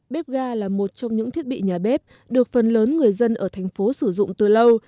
bếp ga là một trong những thiết bị nhà bếp được phần lớn người dân ở thành phố sử dụng từ lâu